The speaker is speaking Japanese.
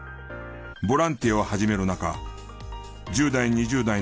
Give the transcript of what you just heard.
ボランティアを始める中１０代２０代の若年層